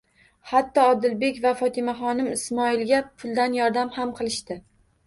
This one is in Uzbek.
Hatto Odilbek va Fotimaxonim Ismoilga puldan yordam ham qilishdi